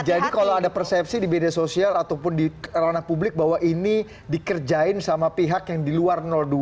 jadi kalau ada persepsi di media sosial ataupun di alam publik bahwa ini dikerjain sama pihak yang di luar dua